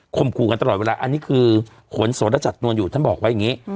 ขู่กันตลอดเวลาอันนี้คือขนโสรจัดนวลอยู่ท่านบอกไว้อย่างนี้